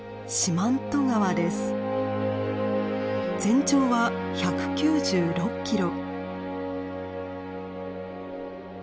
全長は１９６キロ。